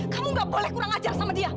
kamu gak boleh kurang ajar sama dia